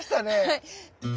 はい。